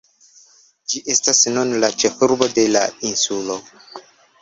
Ĝi estas nun la ĉefurbo de la insulo.